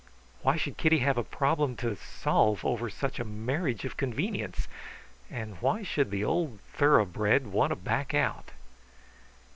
Why should Kitty have a problem to solve over such a marriage of convenience, and why should the old thoroughbred want to back out?